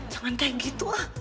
jangan kayak gitu ah